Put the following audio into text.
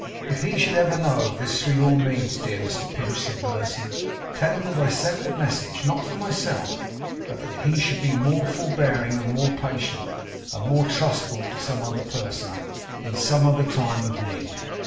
'If he should ever know this, through your means, dear Mr Pinch,' said Mercy, 'tell him that I sent the message, not for myself, but that he might be more forbearing and more patient, and more trustful to some other person, in some other time of need.